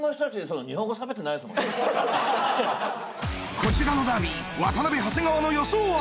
こちらのダービー渡辺長谷川の予想は？